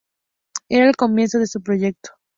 Era el comienzo de su proyecto.